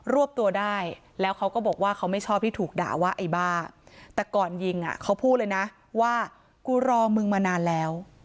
รวบตัวได้แล้วเขาก็บอกว่าเขาไม่ชอบที่ถูกด่าว่าไอ้บ้าแต่ก่อนยิงอ่ะเขาพูดเลยนะว่ากูรอมึงมานานแล้ว